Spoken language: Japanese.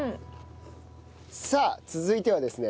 さあ続いてはですね